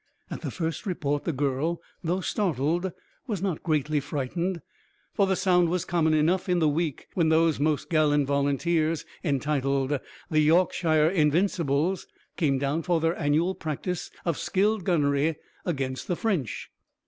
At the first report the girl, though startled, was not greatly frightened; for the sound was common enough in the week when those most gallant volunteers entitled the "Yorkshire Invincibles" came down for their annual practice of skilled gunnery against the French.